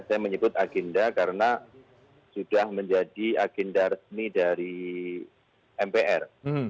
saya menyebut agenda karena sudah menjadi agenda resmi dari mpr